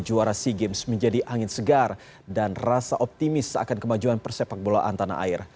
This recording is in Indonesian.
juara si games menjadi angin segar dan rasa optimis akan kemajuan persepakbola antanair